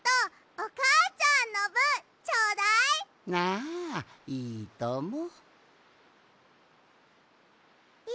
ああいいとも。